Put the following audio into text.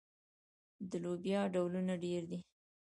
د لوبیا ډولونه ډیر دي.